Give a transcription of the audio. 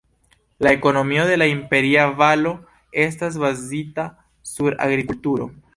La ekonomio de la Imperia Valo estas bazita sur agrikulturo.